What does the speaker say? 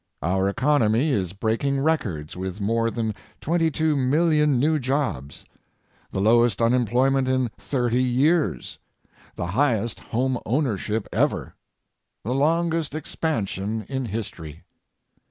Our economy is breaking records with more than 22 million new jobs, the lowest unemployment in 30 years, the highest home ownership ever, the longest expansion in history.